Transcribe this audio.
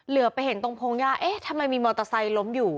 เหลือไปเห็นตรงพงหญ้าเอ๊ะทำไมมีมอเตอร์ไซค์ล้มอยู่